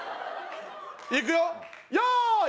いくよよーい！